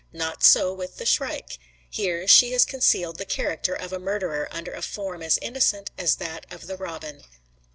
Not so with the shrike; here she has concealed the character of a murderer under a form as innocent as that of the robin.